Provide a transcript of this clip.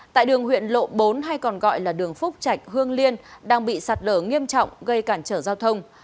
tại đường huyện lộ bốn hay còn gọi là đường phúc chạch hương liên đang bị sạt lở nghiêm trọng gây cản trở giao thông